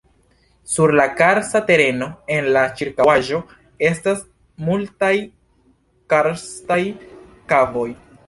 Sur la karsta tereno en la ĉirkaŭaĵo estas multaj karstaj kavoj.